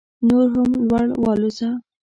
نور هم لوړ والوځه